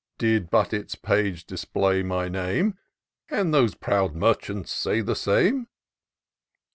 Did but its page display my name ; Can these proud merchants say the same